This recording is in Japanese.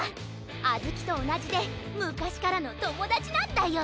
あずきとおなじでむかしからのともだちなんだよ。